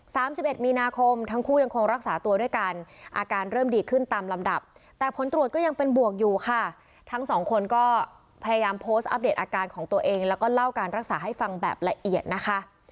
สิบเอ็ดมีนาคมทั้งคู่ยังคงรักษาตัวด้วยกันอาการเริ่มดีขึ้นตามลำดับแต่ผลตรวจก็ยังเป็นบวกอยู่ค่ะทั้งสองคนก็พยายามโพสต์อัปเดตอาการของตัวเองแล้วก็เล่าการรักษาให้ฟังแบบละเอียดนะคะ